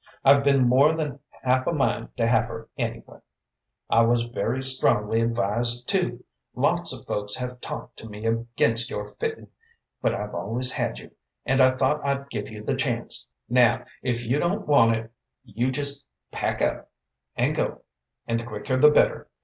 I've been more than half a mind to have her, anyway. I was very strongly advised to. Lots of folks have talked to me against your fittin', but I've always had you, and I thought I'd give you the chance. Now if you don't want it, you jest pack up and go, and the quicker the better.